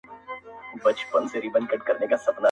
خدای دي نه کړي څوک عادت په بدي چاري!